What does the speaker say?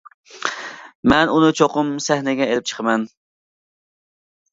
مەن ئۇنى چوقۇم سەھنىگە ئېلىپ چىقىمەن.